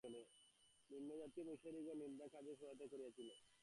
নিম্নজাতীয় মিশনরীগণের নিন্দা সেখানে আমার কাজের সহায়তাই করিয়াছিল।